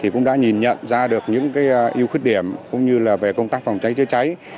cũng đã nhìn nhận ra được những yêu khuyết điểm cũng như về công tác phòng cháy chữa cháy